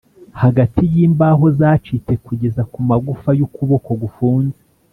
hagati yimbaho zacitse kugeza kumagufa yukuboko gufunze: